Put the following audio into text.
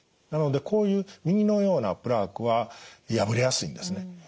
なのでこういう右のようなプラークは破れやすいんですね。